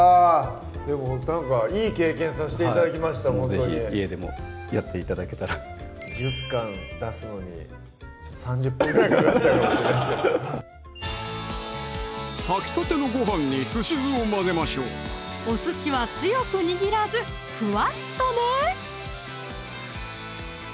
でもなんかいい経験さして頂きました是非家でもやって頂けたら１０貫出すのに３０分ぐらいかかっちゃうかもしれないですけど炊き立てのご飯に寿司酢を混ぜましょうお寿司は強く握らずふわっとね！